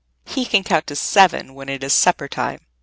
"He can count seven when it is supper time!